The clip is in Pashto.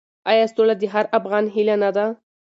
آیا سوله د هر افغان هیله نه ده؟